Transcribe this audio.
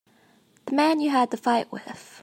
The man you had the fight with.